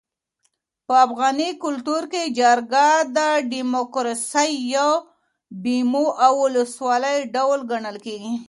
په افغاني کلتور کي جرګه د ډیموکراسۍ یو بومي او ولسي ډول ګڼل کيږي.